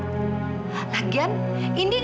kamu istirahat dengan tenang